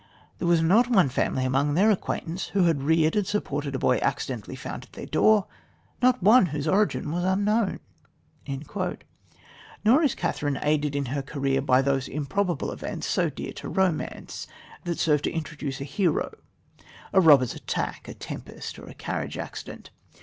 There was not one family among their acquaintance who had reared and supported a boy accidentally found at their door not one whose origin was unknown." Nor is Catherine aided in her career by those "improbable events," so dear to romance, that serve to introduce a hero a robber's attack, a tempest, or a carriage accident.